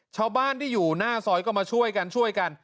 ชาวบ้านที่อยู่หน้าซอยก็มาช่วยกันช่วยกัน